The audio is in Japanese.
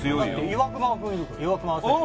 岩隈選手。